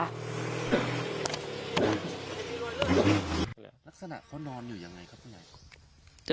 ลักษณะเขานอนอยู่ยังไงครับผู้ใหญ่